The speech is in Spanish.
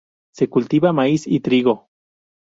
Se cultiva maíz y trigo.